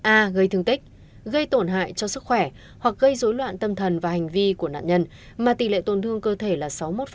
a gây thương tích gây tổn hại cho sức khỏe hoặc gây dối loạn tâm thần và hành vi của nạn nhân mà tỷ lệ tổn thương cơ thể là sáu mươi một